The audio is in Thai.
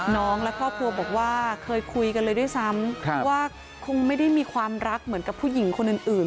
น้องและครอบครัวบอกว่าเคยคุยกันเลยด้วยซ้ำว่าคงไม่ได้มีความรักเหมือนกับผู้หญิงคนอื่น